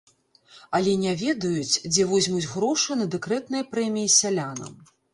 Але не ведаюць, дзе возьмуць грошы на дэкрэтныя прэміі сялянам.